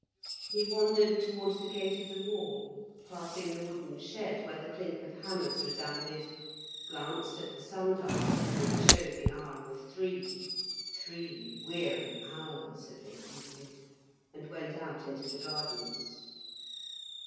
He wandered towards the gate of the wall, passing the wooden shed where the clink of hammers resounded, glanced at the sundial, which showed the hour of three (three weary hours had they feasted), and went out into the gardens.